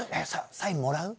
サインもらう？